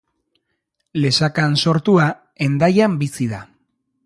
Lesakan sortua, Hendaian bizi da.